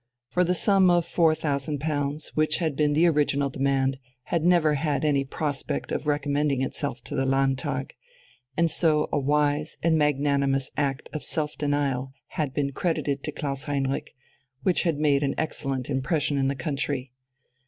For the sum of four thousand pounds, which had been the original demand, had never had any prospect of recommending itself to the Landtag, and so a wise and magnanimous act of self denial had been credited to Klaus Heinrich, which had made an excellent impression in the country.